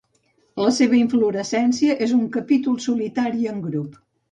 La seva inflorescència és un capítol solitari en grup.